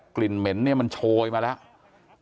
กลิ่นเหม็นเนี่ยมันโชยมาแล้ว